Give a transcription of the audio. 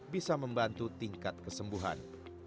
bisa membantu tingkat kesembuhan